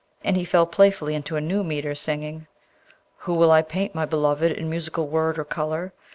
And he fell playfully into a new metre, singing: Who will paint my beloved In musical word or colour?